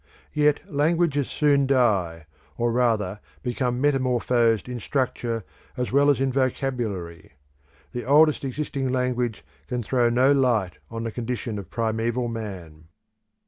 Yet languages soon die, or rather become metamorphosed in structure as well as in vocabulary; the oldest existing language can throw no light on the condition of primeval man.